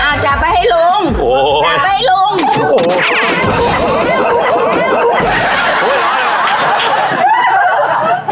มีเป็นทำไปเรื่อยมีคนไม่เสียเงียบ